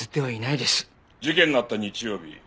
事件のあった日曜日